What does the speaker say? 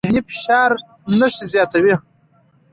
ذهني فشار نښې زیاتوي.